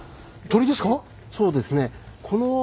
そうですね。